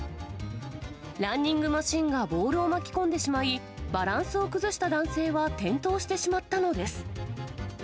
ランニングマシンがボールを巻き込んでしまい、バランスを崩した男性は転倒してしまったのです。